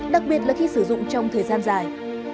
đặc biệt là khi sử dụng trong thời gian dài